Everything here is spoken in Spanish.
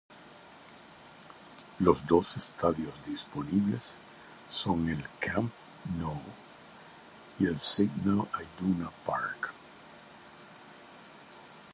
Los dos estadios disponibles son el Camp Nou y el Signal Iduna Park.